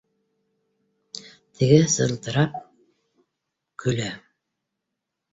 Тегеһе сылтырап көлә: